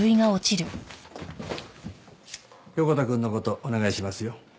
横田くんの事お願いしますよ。